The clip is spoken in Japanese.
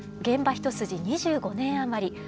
現場一筋２５年余り。